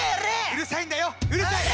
うるさいんだよ！